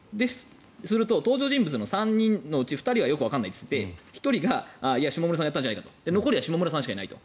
すると、登場人物のうちの２人はよくわからないって言って１人は下村さんがやったんじゃないか残りは下村さんしかいないと。